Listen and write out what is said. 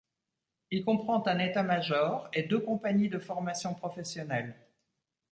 Il comprend un état-major et deux compagnies de formation professionnelle.